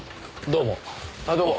どうも。